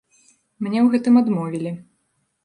Мне ў гэтым адмовілі.